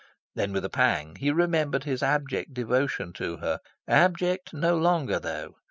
Then with a pang he remembered his abject devotion to her. Abject no longer though!